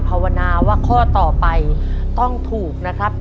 ภาวนาว่าข้อต่อไปต้องถูกนะครับ